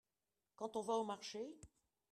Quand on va au marché.